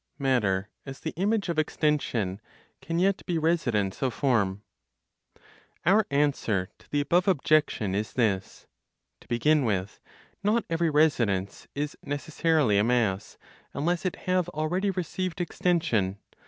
MATTER AS THE IMAGE OF EXTENSION, CAN YET BE RESIDENCE OF FORM. (Our answer to the above objection is this:) To begin with, not every residence is necessarily a mass, unless it have already received extension.